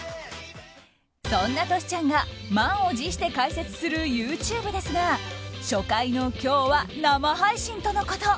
そんなトシちゃんが満を持して開設するＹｏｕＴｕｂｅですが初回の今日は、生配信とのこと。